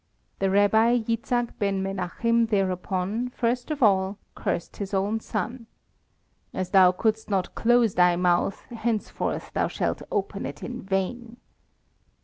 The Rabbi Jitzchak Ben Menachim thereupon, first of all, cursed his own son: "As thou couldst not close thy mouth, henceforth thou shalt open it in vain."